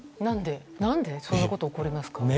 何で、そんなことが起こりますか？